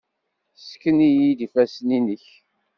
Ssken-iyi-d ifassen-nnek.